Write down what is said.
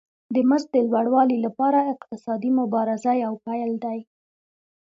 د مزد د لوړوالي لپاره اقتصادي مبارزه یو پیل دی